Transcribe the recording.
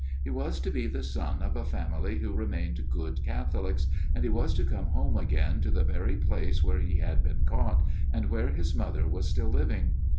He was to be the son of a family who remained good Catholics, and he was to come home again to the very place where he had been caught, and where his mother was still living.